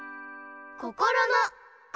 こころの「こ」！